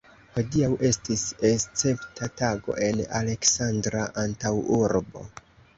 Hodiaŭ estis escepta tago en Aleksandra antaŭurbo.